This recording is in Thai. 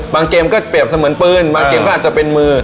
เกมก็เปรียบเสมือนปืนบางเกมก็อาจจะเป็นมือ